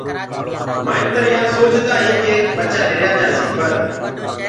مآئيتر يآ سوچدآ هين ڪي ٻچآ ڏريآ جآسي پر